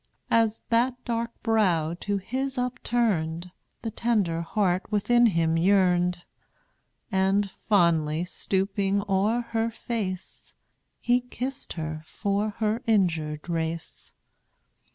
As that dark brow to his upturned, The tender heart within him yearned; And, fondly stooping o'er her face, He kissed her for her injured race.